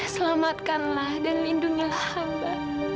selamatkanlah dan lindungilah hamba